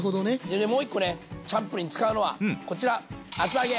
でねもう１個ねチャンプルーに使うのはこちら厚揚げ。